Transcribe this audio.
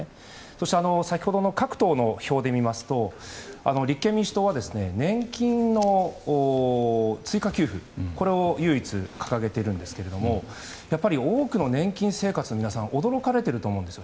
そして、先ほどの各党の表で見ますと立憲民主党は年金の追加給付を唯一掲げているんですが多くの年金生活の皆さん驚かれていると思うんです。